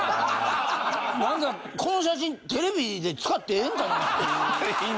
何かこの写真テレビで使ってええんかなっていう。